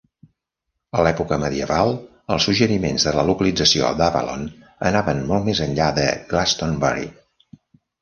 A l'època medieval, els suggeriments de la localització d'Avalon anaven molt més enllà de Glastonbury